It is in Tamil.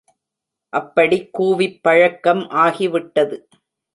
அப்படிக் கூவிப் பழக்கம் ஆகிவிட்டது.